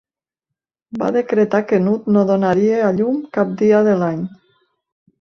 Va decretar que Nut no donaria a llum cap dia de l'any.